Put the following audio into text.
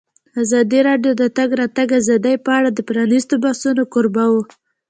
ازادي راډیو د د تګ راتګ ازادي په اړه د پرانیستو بحثونو کوربه وه.